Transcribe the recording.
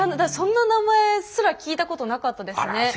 そんな名前すら聞いたことなかったですね。